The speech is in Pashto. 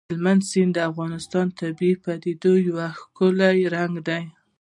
هلمند سیند د افغانستان د طبیعي پدیدو یو ښکلی رنګ دی.